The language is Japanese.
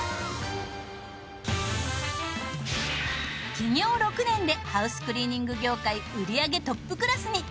起業６年でハウスクリーニング業界売り上げトップクラスに。